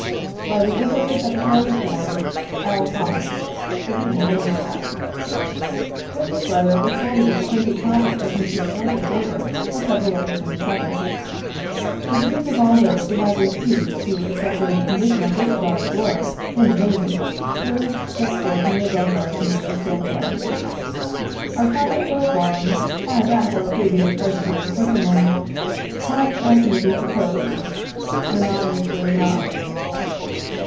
" By order of the Secretary of War. "L. THOMAS, "Adjutant General." With this letter was forwarded a printed copy of Mr. Stanton's order of February 27th. The views of all those who had refused to accept any conditional discharge were, in the main, those set forth in the above letter to Mr. Stanton. Our time at Fort Warren, as at our previous places of imprisonment, passed as may be supposed, monotonously enough.